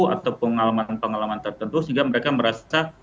atau pengalaman pengalaman tertentu sehingga mereka merasa